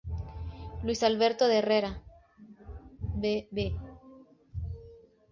Luis Alberto de Herrera, Bv.